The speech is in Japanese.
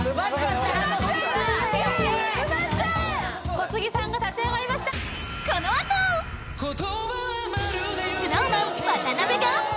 小杉さんが立ち上がりましたＳｎｏｗＭａｎ渡辺が！